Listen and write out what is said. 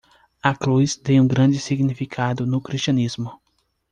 A cruz tem um grande significado no cristianismo.